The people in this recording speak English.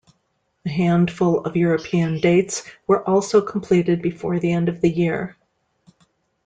A handful of European dates were also completed before the end of the year.